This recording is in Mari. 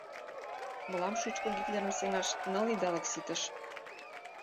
Мылам шучко Гитлерым сеҥаш ныл идалык ситыш.